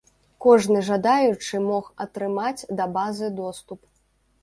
Кожны жадаючы мог атрымаць да базы доступ.